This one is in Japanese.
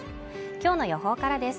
今日の予報からです。